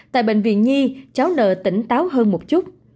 tại bệnh viện nhi cháu n tỉnh táo hơn một chút